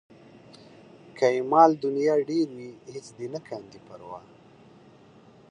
که یې مال د نيا ډېر وي هېڅ دې نه کاندي پروا